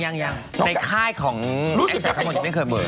ในค่ายของไอ้สาวของผมยังไม่เคยบวช